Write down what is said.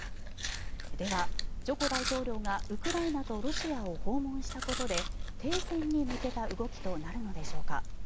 では、ジョコ大統領がウクライナとロシアを訪問したことで停戦に向けた動きとなるのでしょうか。